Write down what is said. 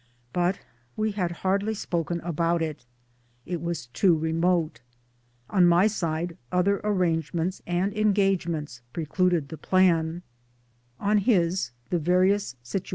But we had hardly spoken about it. It was too remote. On my side other arrangements and engage ments precluded the plan ; on his, the various situa GEORGE MERRILL.